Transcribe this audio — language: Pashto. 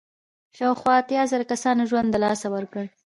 شاوخوا اتیا زره کسانو ژوند له لاسه ورکړ.